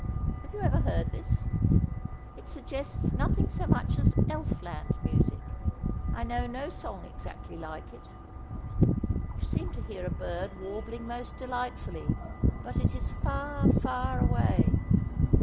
Have you ever heard this? It suggests nothing so much as elf land music; I know no song exactly like it. You seem to hear a bird warbling most delightfully, but it is far, far away.